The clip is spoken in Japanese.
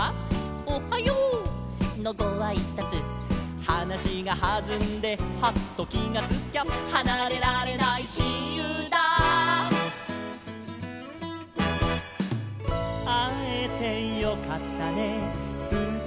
「おはよう！のごあいさつ」「はなしがはずんでハッときがつきゃ」「はなれられないしんゆうだ」「あえてよかったねうたいましょう」